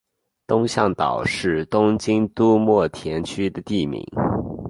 东向岛是东京都墨田区的地名。